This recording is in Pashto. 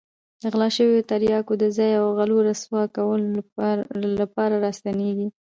د غلا شوو تریاکو د ځای او غلو رسوا کولو لپاره را ستنېږي.